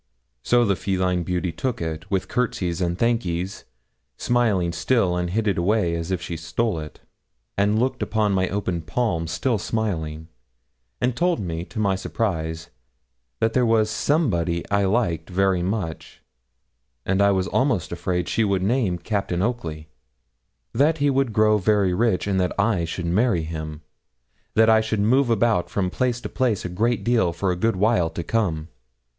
So the feline beauty took it, with courtesies and 'thankees,' smiling still, and hid it away as if she stole it, and looked on my open palm still smiling; and told me, to my surprise, that there was somebody I liked very much, and I was almost afraid she would name Captain Oakley; that he would grow very rich, and that I should marry him; that I should move about from place to place a great deal for a good while to come.